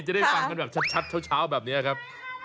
จะได้ฟังแบบชัดเฉียวแบบเนี่ยครับ